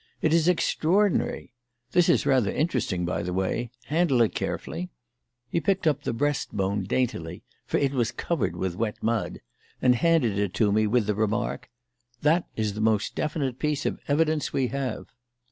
It is extraordinary. This is rather interesting, by the way. Handle it carefully." He picked up the breast bone daintily for it was covered with wet mud and handed it to me with the remark: "That is the most definite piece of evidence we have."